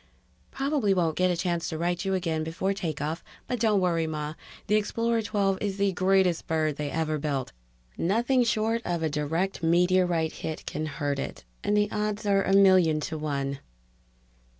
__ probably won't get a chance to write you again before take off, but don't worry, Ma. The Explorer XII is the greatest bird they ever built. Nothing short of a direct meteorite hit can hurt it, and the odds are a million to one